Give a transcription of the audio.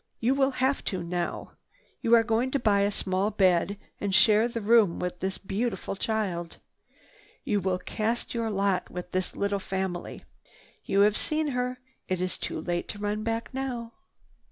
You will have to now. You are going to buy a small bed and share the room with this beautiful child. You will cast your lot with this little family. You have seen her. It is too late to turn back now."